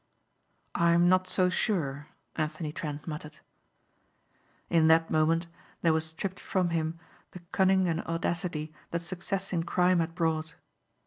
"I'm not so sure," Anthony Trent muttered. In that moment there was stripped from him the cunning and audacity that success in crime had brought.